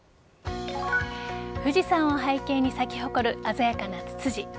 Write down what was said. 富士山を背景に咲き誇る鮮やかなツツジ。